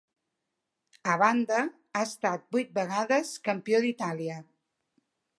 A banda, ha estat vuit vegades Campió d'Itàlia.